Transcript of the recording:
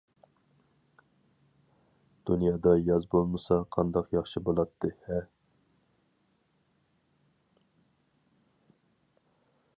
-دۇنيادا ياز بولمىسا قانداق ياخشى بولاتتى ھە!